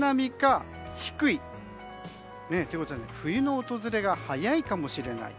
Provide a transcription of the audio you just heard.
ということで冬の訪れが早いかもしれない。